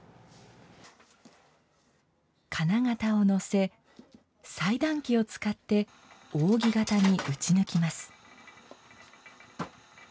金型をのせ、裁断機を使って扇形に打ち抜きます。